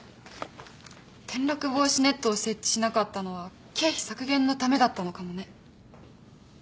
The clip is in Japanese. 転落防止ネットを設置しなかったのは経費削減のためだったのかもね。